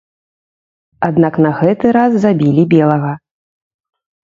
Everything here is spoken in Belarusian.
Аднак на гэты раз забілі белага.